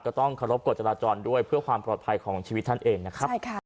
ก็ต้องเคารพกฎจราจรด้วยเพื่อความปลอดภัยของชีวิตท่านเองนะครับ